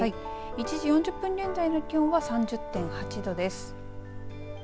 １時４０分現在の気温は３０．８度です。